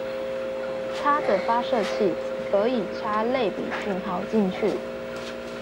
它的發射器可以插類比訊號進去